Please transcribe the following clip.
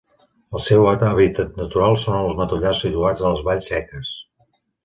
El seu hàbitat natural són els matollars situats a les valls seques.